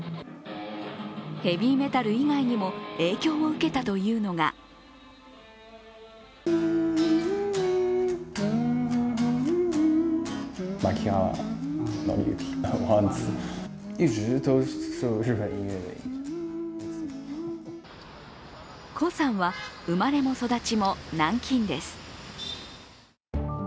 ヘビーメタル以外にも影響を受けたというのが胡さんは生まれも育ちも南京です。